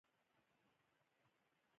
بېنډۍ د عمر اوږدښت کې مرسته کوي